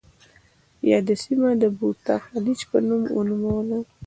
یاده سیمه د بوتا خلیج په نوم ونوموله.